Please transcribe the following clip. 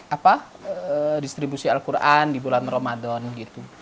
apa distribusi al quran di bulan ramadan gitu